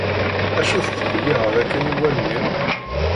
acu tettbelliɣeḍ akken i wallen-im?